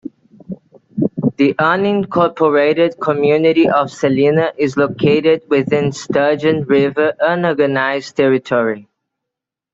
The unincorporated community of Celina is located within Sturgeon River Unorganized Territory.